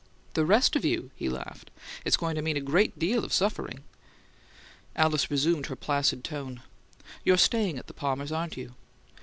"The 'rest of you!'" he laughed. "It's going to mean a great deal of suffering!" Alice resumed her placid tone. "You're staying at the Palmers', aren't you?"